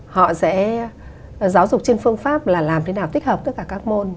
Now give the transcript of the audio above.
họ sẽ giáo dục trên phương pháp là làm thế nào tích hợp tất cả các môn